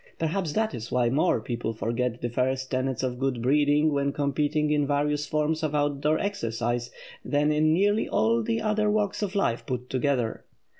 Perhaps that is why more people forget the first tenets of good breeding when competing in various forms of outdoor exercise than in nearly all the other walks of life put together.